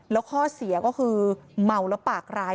แล้วข้อเสียก็คือเมาแล้วปากร้าย